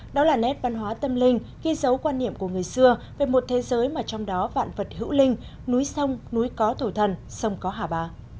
đó là nét văn hóa tâm linh ghi dấu quan niệm của người xưa về một thế giới mà trong đó vạn vật hữu linh núi sông núi có thổ thần sông có hà bà